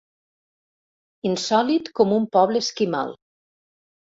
Insòlit com un poble esquimal.